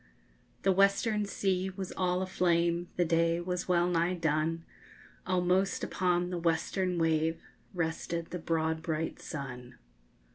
The western sea was all aflame, The day was well nigh done! Almost upon the western wave _Rested the broad bright sun.